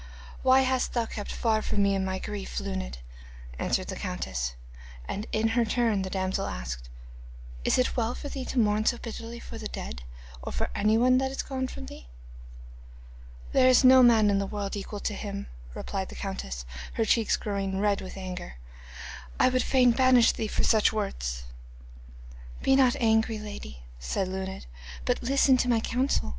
'Why hast thou kept far from me in my grief, Luned?' answered the countess, and in her turn the damsel asked: 'Is it well for thee to mourn so bitterly for the dead, or for anything that is gone from thee?' 'There is no man in the world equal to him,' replied the countess, her cheeks growing red with anger. 'I would fain banish thee for such words.' 'Be not angry, lady,' said Luned, 'but listen to my counsel.